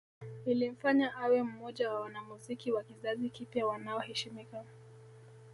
Ilimfanya awe mmoja wa wanamuziki wa kizazi kipya wanaoheshimika